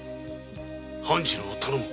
半次郎を頼む。